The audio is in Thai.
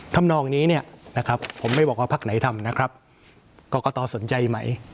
ทำโน่งว่านี้ผมไม่บอกว่าพักไหนทำนะครับก็ก็ต่อสนใจไหม